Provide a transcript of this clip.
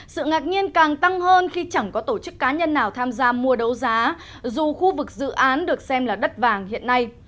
sự ngạc nhiên càng tăng hơn khi chẳng có tổ chức cá nhân nào tham gia mua đấu giá dù khu vực dự án được xem là đất vàng hiện nay